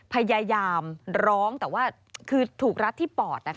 พยายามร้องแต่ว่าคือถูกรัดที่ปอด